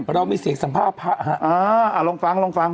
พระดอบมิเศษสัมภาพพระฮะอ่าอ่าลองฟังลองฟัง